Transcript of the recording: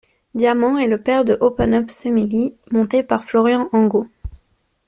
Diamant est le père de Open Up Semilly, monté par Florian Angot.